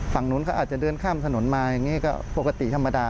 ฝั่งนู้นเขาอาจจะเดินข้ามถนนมาอย่างนี้ก็ปกติธรรมดา